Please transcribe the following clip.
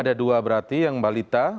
ada dua berarti yang balita